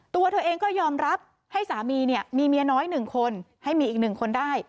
ตัวเธอเองก็ยอมรับให้สามีเนี่ยมีเมียน้อย๑คนให้มีอีก๑คนได้